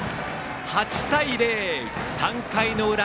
８対０、３回の裏。